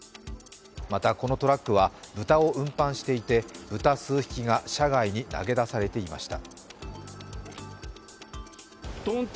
また、このトラックは豚を運搬していて、豚数匹が車外に投げ出されていました。